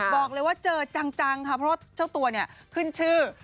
บอกเลยว่าเจอจังค่ะเพราะว่าเจ้าตัวเนี่ยขึ้นชื่อ